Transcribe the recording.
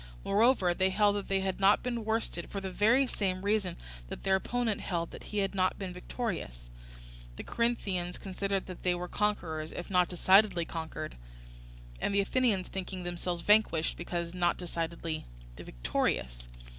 Moreover they held that they had not been worsted, for the very same reason that their opponent held that he had not been victorious; the Corinthians considering that they were conquerors, if not decidedly conquered, and the Athenians thinking themselves vanquished, because not decidedly victorious.